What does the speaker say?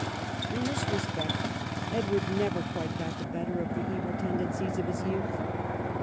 In this respect Edward never quite got the better of the evil tendencies of his youth.